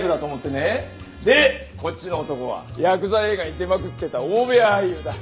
でこっちの男はやくざ映画に出まくってた大部屋俳優だ。